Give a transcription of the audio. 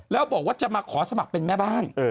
แล้วบอกว่าจะมาขอสมัครเป็นแม่บ้าน